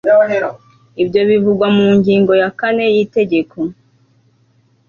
ibyo bivugwa mu ngingo ya kane y'itegeko